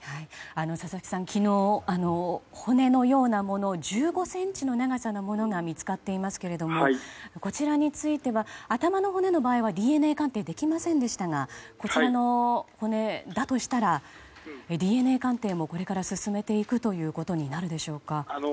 昨日、骨のようなもの１５ｃｍの長さのものが見つかっていますがこちらについては頭の骨の場合はＤＮＡ鑑定できませんでしたがこちらの骨だとしたらＤＮＡ鑑定もこれから進めていくことになるでしょうか。